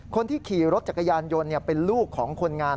คนที่ขี่รถจักรยานยนต์เป็นลูกของคนงาน